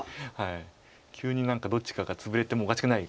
急に何かどっちかがツブれてもおかしくない